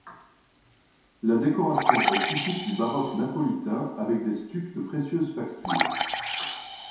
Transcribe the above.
La décoration est typique du baroque napolitain avec des stucs de précieuse facture.